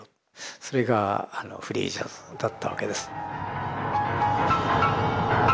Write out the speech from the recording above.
それがフリージャズだったわけです。